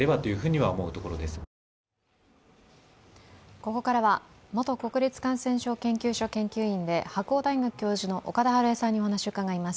ここからは元国立感染症研究所研究員で白鴎大学教授の岡田晴恵さんにお話を伺います。